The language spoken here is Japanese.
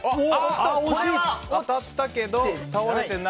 当たってけど倒れてない。